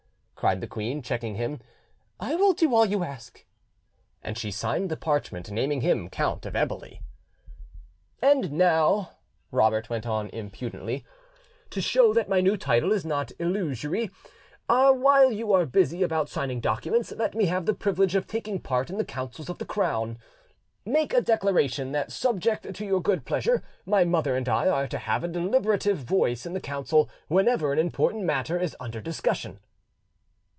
cried the queen, checking him: "I will do all you ask." And she signed the parchment naming him Count of Eboli. "And now," Robert went on impudently, "to show that my new title is not illusory, while you are busy about signing documents, let me have the privilege of taking part in the councils of the crown: make a declaration that, subject to your good pleasure, my mother and I are to have a deliberative voice in the council whenever an important matter is under discussion."